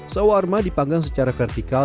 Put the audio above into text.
sawarma dipanggang secara vertikal